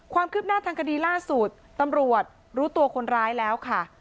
ความคืบหน้าทางคดีล่าสุดตำรวจรู้ตัวคนร้ายแล้วค่ะ